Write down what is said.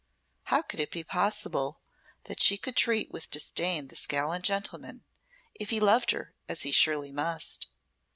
How could it be possible that she could treat with disdain this gallant gentleman, if he loved her, as he surely must?